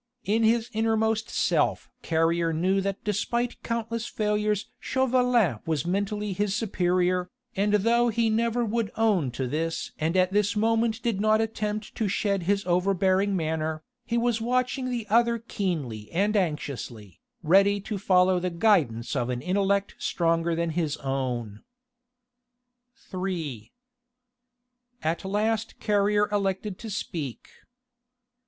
In his innermost self Carrier knew that despite countless failures Chauvelin was mentally his superior, and though he never would own to this and at this moment did not attempt to shed his over bearing manner, he was watching the other keenly and anxiously, ready to follow the guidance of an intellect stronger than his own. III At last Carrier elected to speak.